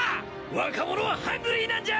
若者はハングリーなんじゃ！